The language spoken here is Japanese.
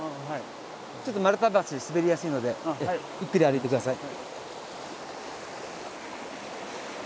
ちょっと丸太橋滑りやすいのでゆっくり歩いて下さい。